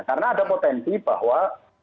karena ada potensi bahwa